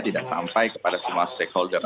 tidak sampai kepada semua stakeholder